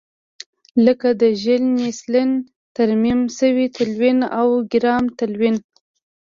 لکه د ژیل نیلسن ترمیم شوی تلوین او ګرام تلوین.